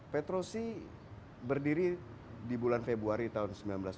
petrosi berdiri di bulan februari tahun seribu sembilan ratus sembilan puluh